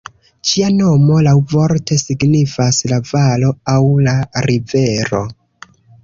Ĝia nomo laŭvorte signifas "la valo" aŭ "la rivero".